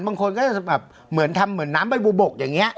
บางคนก็จะแบบเหมือนทำเหมือนน้ำใบบัวบกอย่างนี้